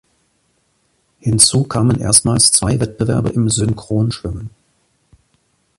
Hinzu kamen erstmals zwei Wettbewerbe im Synchronschwimmen.